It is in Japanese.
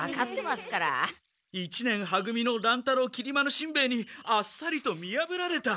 一年は組の乱太郎きり丸しんべヱにあっさりと見やぶられた。